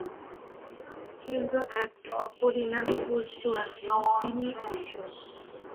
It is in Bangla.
কিন্তু এক অপরিণামী বস্তু আছেন, তিনিই ঈশ্বর।